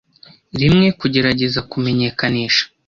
rimwe kugerageza kumenyekanisha